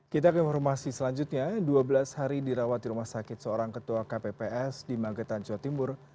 kita ke informasi selanjutnya dua belas hari dirawat di rumah sakit seorang ketua kpps di magetan jawa timur